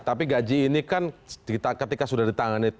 tapi gaji ini kan ketika sudah ditangani prpres kan